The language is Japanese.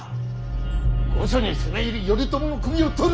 御所に攻め入り頼朝の首を取る！